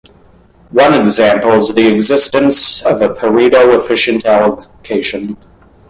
One example is the existence of a Pareto efficient allocation.